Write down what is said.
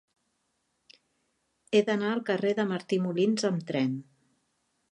He d'anar al carrer de Martí Molins amb tren.